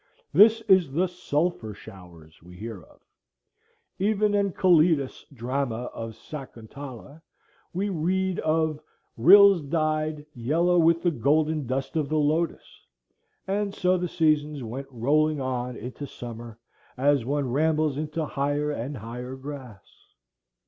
This is the "sulphur showers" we hear of. Even in Calidas' drama of Sacontala, we read of "rills dyed yellow with the golden dust of the lotus." And so the seasons went rolling on into summer, as one rambles into higher and higher grass.